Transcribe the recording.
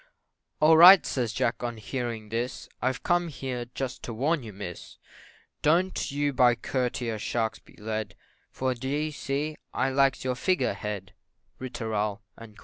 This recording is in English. "All right!" says Jack on hearing this, "I've come here just to warn you, Miss, Don't you by courtier sharks be led For, d'ye see, I likes your Figure Head Ri tooral, &c.